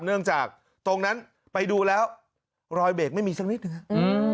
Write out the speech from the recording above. เนื่องจากตรงนั้นไปดูแล้วรอยเบรกไม่มีสักนิดหนึ่งฮะอืม